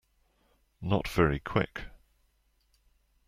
Not very Quick.